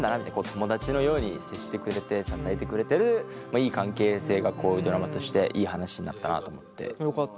友達のように接してくれて支えてくれてるいい関係性がこういうドラマとしていい話になったなと思って。